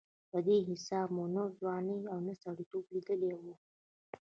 په دې حساب مو نه ځواني او نه سړېتوب لېدلې وه.